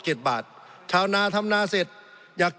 สงบจนจะตายหมดแล้วครับ